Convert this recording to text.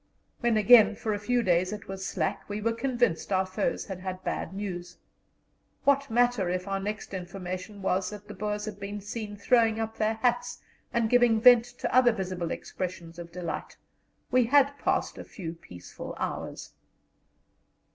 when again for a few days it was slack, we were convinced our foes had had bad news. What matter if our next information was that the Boers had been seen throwing up their hats and giving vent to other visible expressions of delight: we had passed a few peaceful hours.